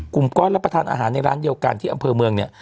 กลุ่มก้อนรับประทานอาหารในร้านเดียวกันที่อำเภอเมืองเนี่ย